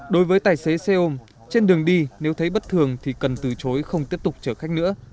đối với tài xế xe ôm trên đường đi nếu thấy bất thường thì cần từ chối không tiếp tục chở khách nữa